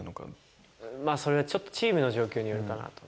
まあ、それはちょっと、チームの状況によるかなと。